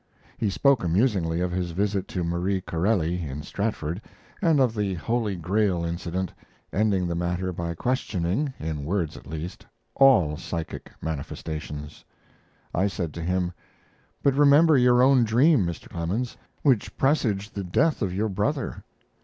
He spoke amusingly of his visit to Marie Corelli, in Stratford, and of the Holy Grail incident, ending the latter by questioning in words at least all psychic manifestations. I said to him: "But remember your own dream, Mr. Clemens, which presaged the death of your brother."